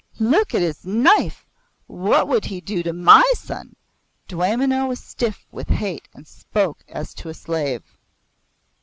"Look at his knife! What would he do to my son?" Dwaymenau was stiff with hate and spoke as to a slave.